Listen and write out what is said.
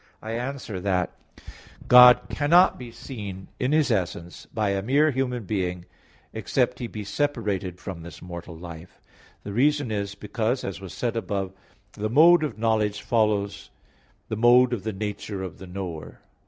I answer that, God cannot be seen in His essence by a mere human being, except he be separated from this mortal life. The reason is because, as was said above (A. 4), the mode of knowledge follows the mode of the nature of the knower.